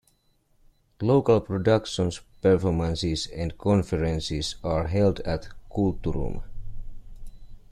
Local productions, performances and conferences are held at "Kulturum".